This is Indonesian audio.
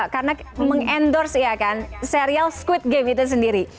karena meng endorse serial squid game itu sendiri